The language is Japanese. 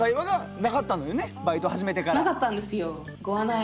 なかったんですよ。